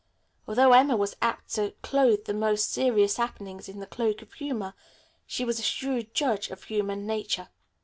Although Emma was apt to clothe the most serious happenings in the cloak of humor, she was a shrewd judge of human nature.